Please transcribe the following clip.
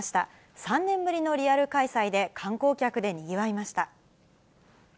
３年ぶりのリアル開催で、観光客でにぎわいました。